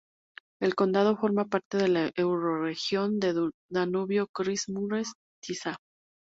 El condado forma parte de la eurorregión de Danubio-Kris-Mures-Tisa.